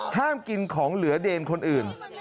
ห้ามกินของเหลือเดนคนอื่น